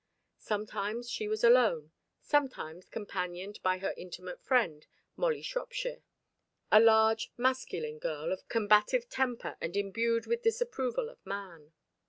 Sometimes she was alone, sometimes companioned by her intimate friend, Molly Shropshire, a large masculine girl of combative temper and imbued with disapproval of man.